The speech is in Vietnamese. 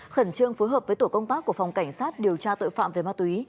khẩn trương phối hợp với tổ công tác của phòng cảnh sát điều tra tội phạm về ma túy